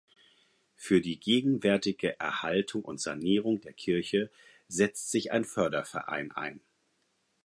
Für die gegenwärtige Erhaltung und Sanierung der Kirche setzt sich ein Förderverein ein.